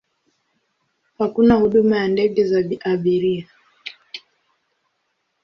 Hakuna huduma ya ndege za abiria.